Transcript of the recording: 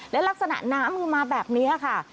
และลักษณะน้ำคือมาแบบนี้ค่ะ